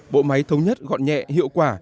bộ máy thống nhất gọn nhẹ hiệu quả